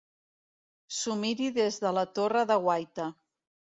S'ho miri des de la torre de guaita.